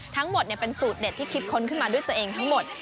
ทั้งหมดเป็นสูตรเด็ดที่คิดค้นขึ้นมาด้วยตัวเองทั้งหมด